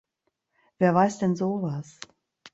Wer weis denn so was?